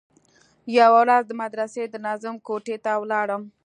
يوه ورځ د مدرسې د ناظم کوټې ته ولاړم.